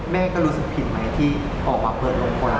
แม่ก็รู้สึกผิดไหมที่ออกมาเปิดลงคน